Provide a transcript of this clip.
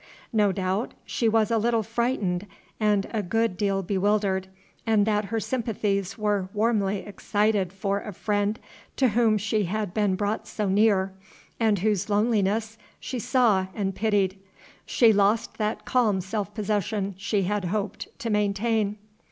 No doubt she was a little frightened and a good deal bewildered, and that her sympathies were warmly excited for a friend to whom she had been brought so near, and whose loneliness she saw and pitied. She lost that calm self possession she had hoped to maintain.